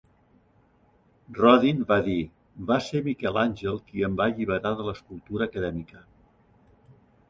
Rodin va dir: "Va ser Miquel Àngel qui em va alliberar de l'escultura acadèmica".